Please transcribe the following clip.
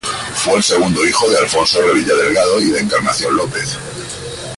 Fue el segundo hijo de Alfonso Revilla Delgado y de Encarnación López.